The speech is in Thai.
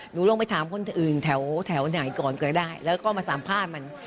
หนูลงไปถามคนอื่นแถวไหนก่อนก็ได้แล้วก็มาสัมภาษณ์มัน